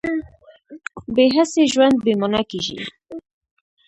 بې هڅې ژوند بې مانا کېږي.